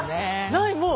ないもう。